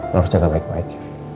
harus jaga baik baik